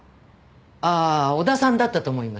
ああ小田さんだったと思います。